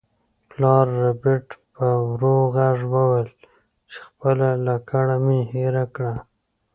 پلار ربیټ په ورو غږ وویل چې خپله لکړه مې هیره کړه